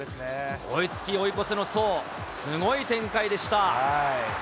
追いつき追い越せのそう、すごい展開でした。